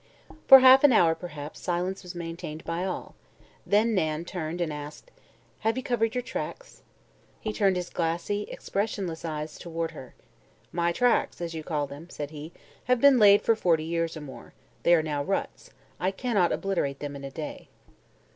For half an hour, perhaps, silence was maintained by all. Then Nan turned and asked: "Have you covered your tracks?" He turned his glassy, expressionless eyes toward her. "My tracks, as you call them," said he, "have been laid for forty years or more. They are now ruts. I cannot obliterate them in a day."